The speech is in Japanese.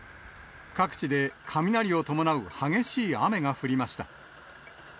各地で雷を伴う激しい雨が降りました。